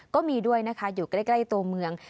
ก็มีด้วยนะคะอยู่ใกล้ตัวเมือง